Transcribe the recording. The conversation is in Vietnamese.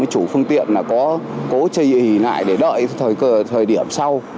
đủ phương tiện là có cố chế hỷ lại để đợi thời điểm sau